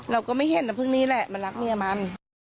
เราก็ไม่เห็นนะพึ่งนี่แหละมันรักเมียมัน